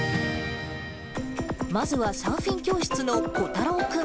まずはサーフィン教室のこたろう君。